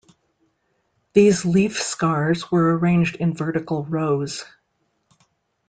These leaf scars were arranged in vertical rows.